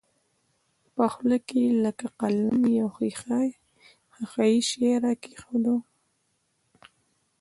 په خوله کښې يې لکه قلم يو ښيښه يي شى راکښېښوو.